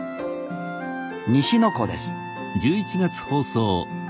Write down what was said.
西の湖です